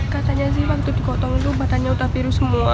katanya sih waktu dikotong itu badannya utah biru semua